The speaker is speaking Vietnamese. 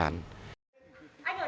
anh ở đây luôn à